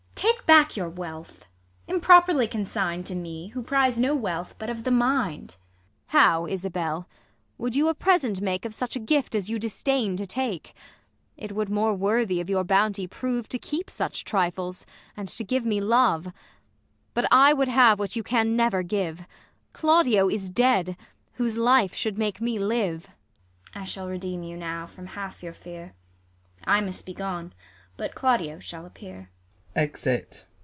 ISAB. Take back your wealth ! improperly con sign'd To me, who prize no wealth, but of the mind. Ang. How, Isabell 1 would you a present make Of such a gift as you disdain to take 1 It would more worthy of your bounty prove, To keep such trifles, and to give me love. But I would have what you can never give ; Claudio is dead, whose life should make me live. ISAB. I shall redeem you now from half your fear ; I must be gone, but Claudio shall appear.